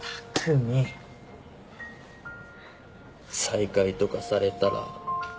再会とかされたら。